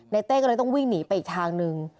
เต้ก็เลยต้องวิ่งหนีไปอีกทางนึง